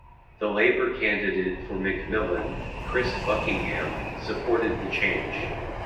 The Labor candidate for McMillan, Chris Buckingham, supported the change.